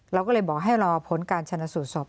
เราก็เลยบอกให้รอผลการชนะสูตรศพ